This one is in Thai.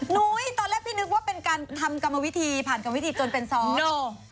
นุ้ยตอนแรกพี่นึกว่าเป็นการทำกรรมวิธีผ่านกรรมวิธีจนเป็นซ้อม